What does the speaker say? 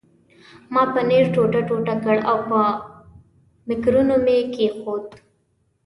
ما پنیر ټوټه ټوټه کړ او په مکرونیو مې کښېښود.